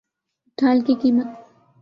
ڈھال کی قیمت